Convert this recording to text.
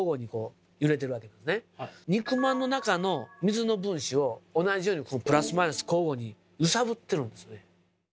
肉まんの中の水の分子を同じようにプラスマイナス交互に揺さぶってるんですね。